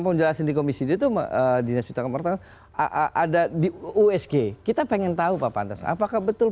penjelasan di komisi itu maaf dinas kita merata ada di usg kita pengen tahu pak pantas apakah betul